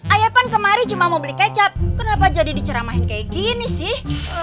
ayapan kemarin cuma mau beli kecap kenapa jadi diceramahin kayak gini sih